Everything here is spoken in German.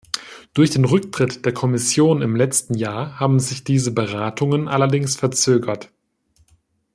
Durch den Rücktritt der Kommission im letzten Jahr haben sich diese Beratungen allerdings verzögert.